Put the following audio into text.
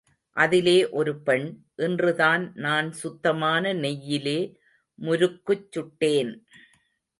அதிலே ஒரு பெண், இன்றுதான் நான் சுத்தமான நெய்யிலே முருக்குச் சுட்டேன்.